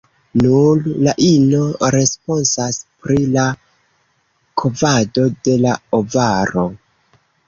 Nur la ino responsas pri la kovado de la ovaro.